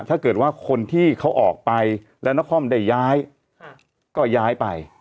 ถ้าเกิดว่าคนที่เขาออกไปแล้วนครได้ย้ายก็ย้ายไป